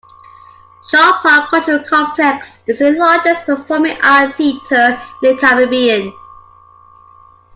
Shaw Park Cultural Complex is the largest performing art theatre in the Caribbean.